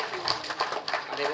tidak ada yang mau